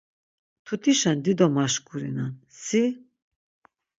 Mtutişen dido maşkurinen. Si?